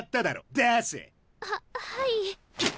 出せ！ははい。